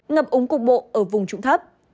ngập úng cục bộ ở vùng trụng thấp